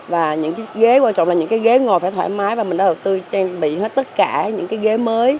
và những cái ghế quan trọng là những cái ghế ngồi phải thoải mái và mình đã đầu tư trang bị hết tất cả những cái ghế mới